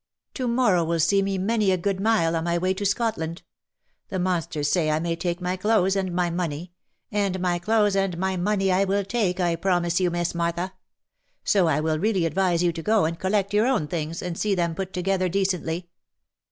— To morrow will see me many a good mile on my way to Scotland ! The monsters say I may take my clothes and my money — and my clothes and my money I will take, I promise you, Miss Martha ; so I would really advise you to go and collect your own things, and see them put together decently.